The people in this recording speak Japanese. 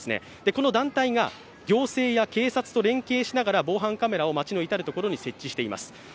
この団体が行政や警察と連携しながら防犯カメラを街の至るところに設置しています。